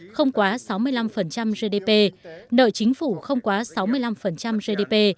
không quá sáu mươi năm gdp nợ chính phủ không quá sáu mươi năm gdp